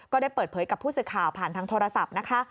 ก็ได้เปิดเผยกับผู้สื่อข่าวผ่านทางโทรศัพท์นะคะ